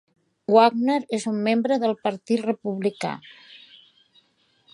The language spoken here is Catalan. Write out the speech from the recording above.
Wagner és un membre del Partit Republicà.